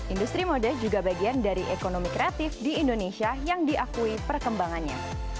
industri mode juga bagian dari ekonomi kreatif di indonesia yang diakui perkembangannya